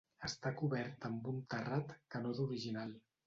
Està cobert amb un terrat, que no és original.